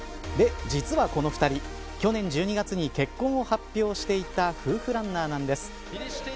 実はこの２人去年１２月に結婚を発表していた夫婦ランナーなんです。